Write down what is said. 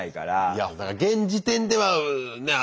いやだから現時点ではねえ